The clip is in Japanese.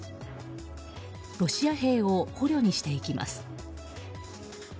ロシア兵を捕虜にしていきます。